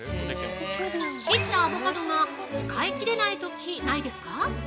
◆切ったアボカドが使いきれないとき、ないですか？